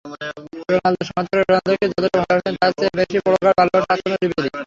রোনালদোর সমর্থকেরা রোনালদোকে যতটা ভালোবাসেন, তার চেয়েও বেশি প্রগাঢ় ভালোবাসায় আচ্ছন্ন রিবেরি।